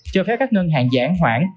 cho phép các ngân hàng giãn hoảng